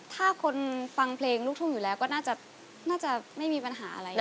ถ้าคนฟังเพลงลูกทุ่งอยู่แล้วก็น่าจะไม่มีปัญหาอะไร